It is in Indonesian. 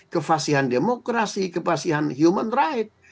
kefasihan demokrasi kefasihan human right